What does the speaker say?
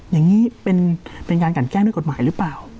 อย่างนี้เป็นการกันแกล้งด้วยกฎหมายหรือเปล่า